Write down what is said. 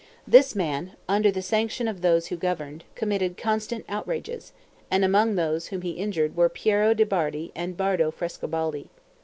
This man, under the sanction of those who governed, committed constant outrages; and among those whom he injured were Piero de' Bardi and Bardo Frescobaldi.